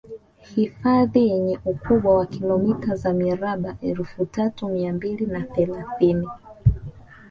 hifadhi yenye ukubwa wa kilomita za mraba elfu tatu mia mbili na thelathini